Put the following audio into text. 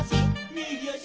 「みぎあし」